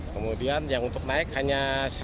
kemudian yang untuk naik hanya satu ratus delapan